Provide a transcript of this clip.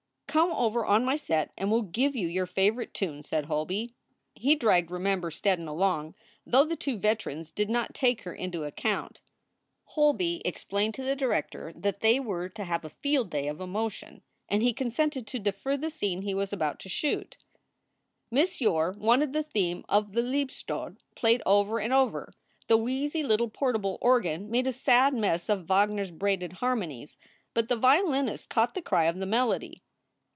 "Come over on my set and we ll give you your favorite tune," said Holby. He dragged Remember Steddon along, though the two veterans did not take her into account. Holby explained to the director that they were to have a field day of emotion, and he consented to defer the scene he was about to shoot. SOULS FOR SALE 299 Miss Yore wanted the theme of the "Liebestod" played over and over. The wheezy little portable organ made a sad mess of Wagner s braided harmonies, but the violinist caught the cry of the melody.